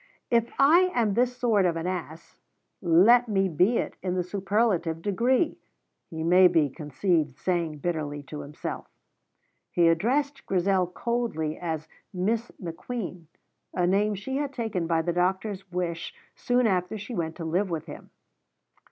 "If I am this sort of an ass, let me be it in the superlative degree," he may be conceived saying bitterly to himself. He addressed Grizel coldly as "Miss McQueen," a name she had taken by the doctor's wish soon after she went to live with him.